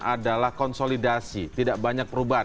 adalah konsolidasi tidak banyak perubahan